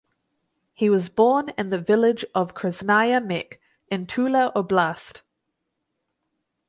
He was born in the village of Krasnaya Mech in Tula Oblast.